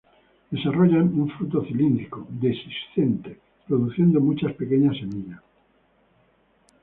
Desarrollan un fruto cilíndrico, dehiscente, produciendo muchas pequeñas semillas.